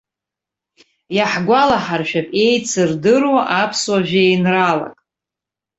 Иаҳгәалаҳаршәап еицырдыруа аԥсуа жәеинраалак.